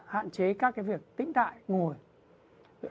hạn chế các cái việc tĩnh tại ngồi